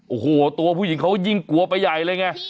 โอ้โหตัวผู้หญิงเขายิ่งกลัวไปใหญ่เลยไง